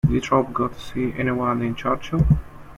Did Thorpe go to see any one in Churchill.